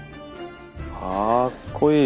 かっこいい！